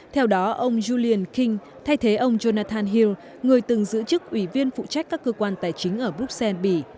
theo đó ông julian king thay thế ông jonathan hil người từng giữ chức ủy viên phụ trách các cơ quan tài chính ở bruxelles bỉ